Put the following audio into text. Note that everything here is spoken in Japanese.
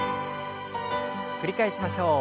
繰り返しましょう。